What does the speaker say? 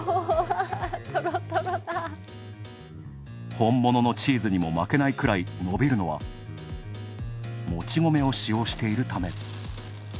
本物のチーズにも負けないくらい伸びるのはもち米を使用しているため。